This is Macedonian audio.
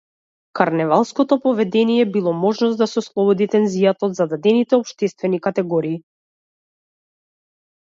Карневалското поведение било можност да се ослободи тензијата од зададените општествени категории.